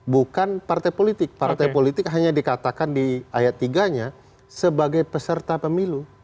bukan partai politik partai politik hanya dikatakan di ayat tiga nya sebagai peserta pemilu